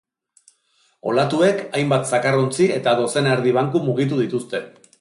Olatuek hainbat zakarrontzi eta dozena erdi banku mugitu dituzte.